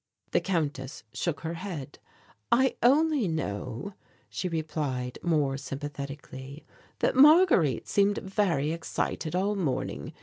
The Countess shook her head. "I only know," she replied more sympathetically, "that Marguerite seemed very excited all morning.